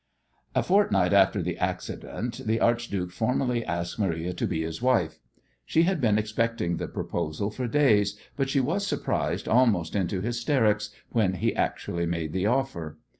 A fortnight after the accident the archduke formally asked Marie to be his wife. She had been expecting the proposal for days, but she was surprised almost into hysterics when he actually made the offer.